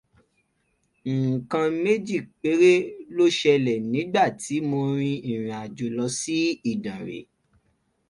Nǹkan méjì péré ló ṣẹ̀lẹ̀ nígbà tí mo rín ìrìnàjò lọ sí Ìdànrè